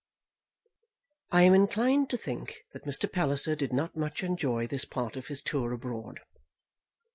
I am inclined to think that Mr. Palliser did not much enjoy this part of his tour abroad.